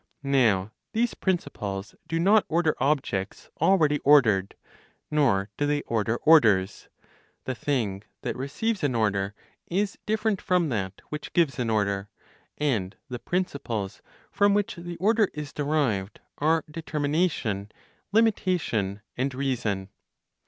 Now these principles do not order objects already ordered, nor do they order orders. The thing that receives an order is different from that which gives an order, and the principles from which the order is derived are determination, limitation and reason.